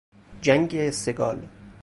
جنگ سگال